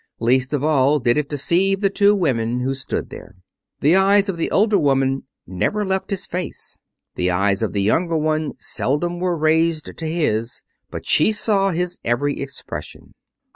Least of all did it deceive the two women who stood there. The eyes of the older woman never left his face. The eyes of the younger one seldom were raised to his, but she saw his every expression.